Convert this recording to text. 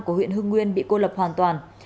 của huyện hương yên bị cô lập hoàn toàn